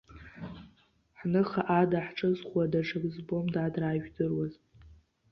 Ҳныха ада ҳҿызхуа даҽак збом, дадраа, ижәдыруаз!